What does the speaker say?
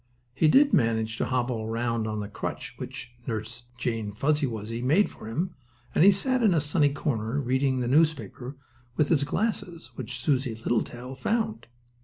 He did manage to hobble around on the crutch which Nurse Jane Fuzzy Wuzzy made for him, and he sat in a sunny corner, reading the newspaper with his glasses which Susie Littletail found.